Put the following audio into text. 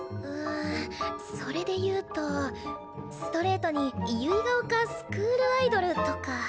うんそれでいうとストレートに「結ヶ丘スクールアイドル」とか。